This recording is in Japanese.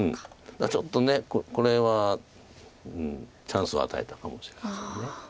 ただちょっとこれはチャンスを与えたかもしれないですよね。